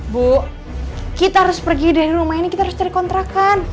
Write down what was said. bu kita harus pergi dari rumah ini kita harus cari kontrakan